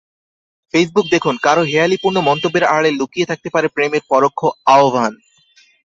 Facebook দেখুন—কারও হেঁয়ালিপূর্ণ মন্তব্যের আড়ালে লুকিয়ে থাকতে পারে প্রেমের পরোক্ষ আহ্বান।